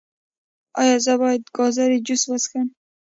ایا زه باید د ګازرې جوس وڅښم؟